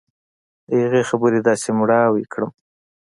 د هغه خبرې داسې مړاوى کړم.